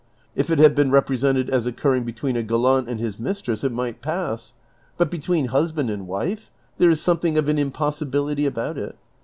If it had been represented as occurring between a gallant and his mistress it might pass ; Init between husband and wife there is something of an impossibility about it.